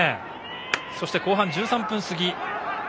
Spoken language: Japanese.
そして後半１３分過ぎ。